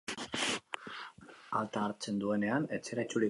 Alta hartzen duenean etxera itzuliko da.